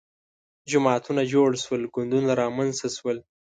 جماعتونه جوړ شول ګوندونه رامنځته شول